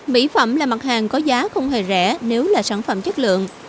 mỹ phẩm là mặt hàng có giá không hề rẻ nếu là sản phẩm chất lượng